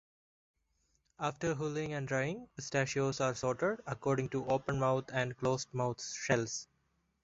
After hulling and drying, pistachios are sorted according to open-mouth and closed-mouth shells.